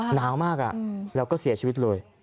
หนาวมากแล้วก็เสียชีวิตเลย